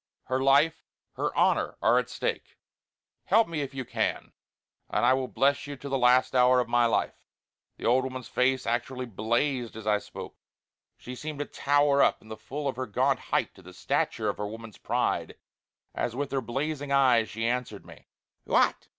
Her life, her honour are at stake. Help me if you can; and I will bless you till the last hour of my life!" The old woman's face actually blazed as I spoke. She seemed to tower up in the full of her gaunt height to the stature of her woman's pride, as with blazing eyes she answered me: "What!